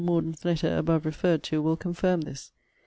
Morden's letter, above referred to, will confirm this.